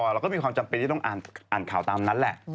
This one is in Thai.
เราก็มีความจำเป็นที่ต้องอ่านข่าวตามนั้นแหละ